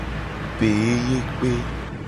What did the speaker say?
Peyeyekpe.